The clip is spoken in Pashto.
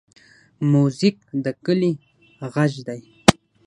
موزیک د کلي غږ دی.